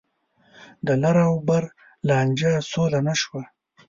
د لر او بر لانجه سوله نه شوه.